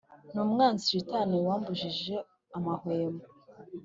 n` umwanzi shitani wambujije amahwemo